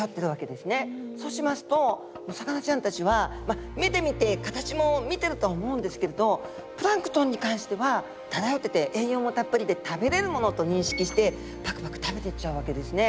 そうしますとお魚ちゃんたちは目で見て形も見てるとは思うんですけれどプランクトンに関しては漂ってて栄養もたっぷりで食べれるものと認識してパクパク食べてっちゃうわけですね。